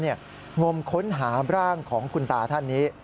งมค้นหาร่างของคุณตาท่านนี้